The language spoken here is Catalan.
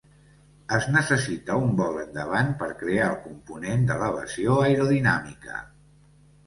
Es necessita un vol endavant per crear el component d'elevació aerodinàmica.